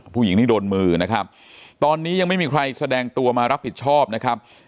ผู้หญิงที่โดนมือนะครับตอนนี้ยังไม่มีใครแสดงตัวมารับผิดชอบนะครับ